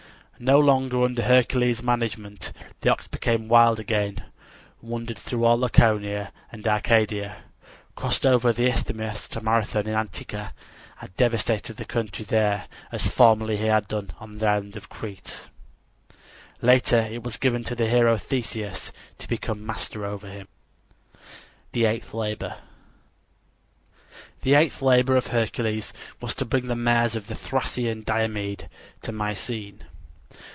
No longer under Hercules' management, the ox became wild again, wandered through all Laconia and Arcadia, crossed over the isthmus to Marathon in Attica and devastated the country there as formerly on the island of Crete. Later it was given to the hero Theseus to become master over him. THE EIGHTH LABOR The eighth labor of Hercules was to bring the mares of the Thracian Diomede to Mycene.